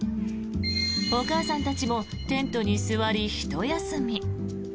お母さんたちもテントに座りひと休み。